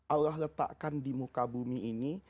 allah letakkan di muka bumi ini